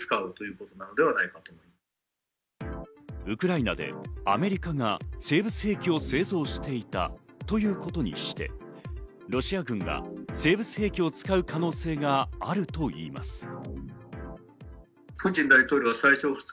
ウクライナでアメリカが生物兵器を製造していたということにして、ロシア軍が生物兵器を使う可能性があるといいます。